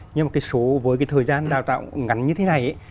nhưng mà cái số với cái thời gian đào tạo ngắn như thế này